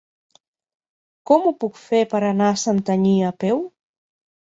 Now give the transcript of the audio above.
Com ho puc fer per anar a Santanyí a peu?